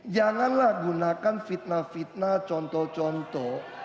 janganlah gunakan fitnah fitnah contoh contoh